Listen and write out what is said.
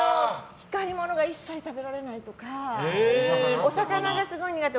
光りものが一切食べられないとかお魚がすごい苦手。